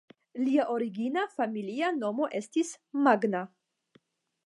Lia origina familia nomo estis "Magna".